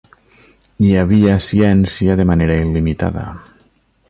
Hi havia ciència de manera il·limitada.